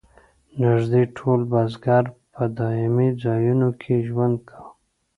نږدې ټول بزګر په دایمي ځایونو کې ژوند کاوه.